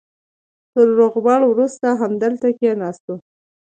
تر روغبړ وروسته همدلته کېناستو.